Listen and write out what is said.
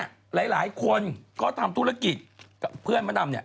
หลายคนก็ทำธุรกิจกับเพื่อนมะดำเนี่ย